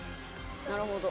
なるほど。